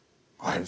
はい。